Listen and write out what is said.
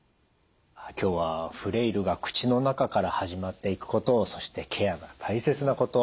今日はフレイルが口の中から始まっていくことをそしてケアが大切なこと